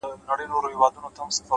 پوهه د شکونو ځنځیر ماتوي,